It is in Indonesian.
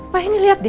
pak ini lihat deh